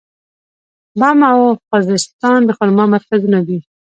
بم او خوزستان د خرما مرکزونه دي.